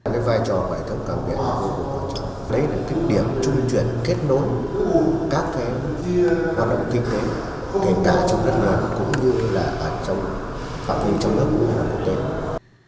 vai trò của hệ thống cảng biển là vô cùng quan trọng đấy là kích điểm trung chuyển kết nối các thế hoạt động kinh tế kết nối cả trong đất nước cũng như trong phạm vi trong nước